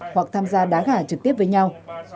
hoặc tham gia đá gà trực tiếp với nhau